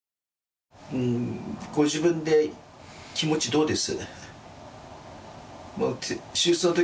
ご自分で気持ちどうです？